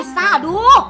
gak usah duk